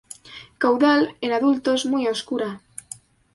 Caudal en adultos muy oscura.